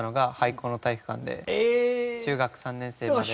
中学３年生まで。